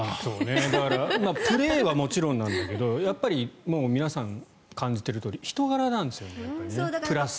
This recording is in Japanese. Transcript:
だからプレーはもちろんなんだけどやっぱり皆さん、感じているとおり人柄なんですよね、プラス。